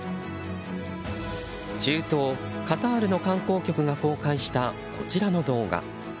中東カタールの観光局が公開したこちらの動画。